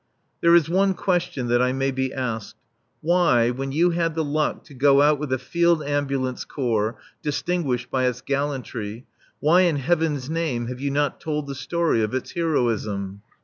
There is one question that I may be asked: "Why, when you had the luck to go out with a Field Ambulance Corps distinguished by its gallantry why in heaven's name have you not told the story of its heroism?"